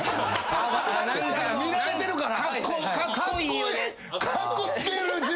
見られてるから。